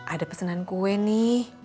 ada pesenan kue nih